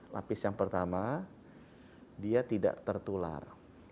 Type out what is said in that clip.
lapis yang pertama dia tidak tertular